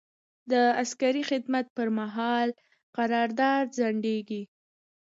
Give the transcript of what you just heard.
د عسکري خدمت پر مهال قرارداد ځنډیږي.